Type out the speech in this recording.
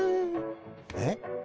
えっ？